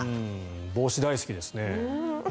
帽子、大好きですね。